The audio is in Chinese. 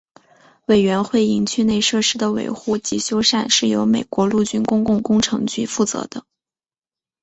委员会营区内设施的维护及修缮是由美国陆军公共工程局负责的。